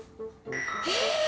えっ？